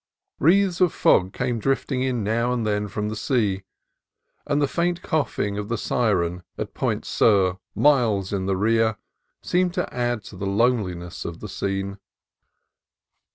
Wreaths of fog came drifting in now and then from the sea, and the faint coughing of the syren at Point Sur, miles in the rear, seemed to add to the loneliness of the scene.